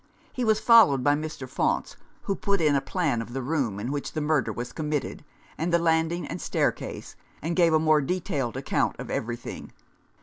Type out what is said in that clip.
He was followed by Mr. Faunce, who put in a plan of the room in which the murder was committed, and the landing and staircase, and gave a more detailed account of everything.